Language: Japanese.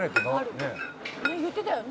「ねえ言ってたよね？」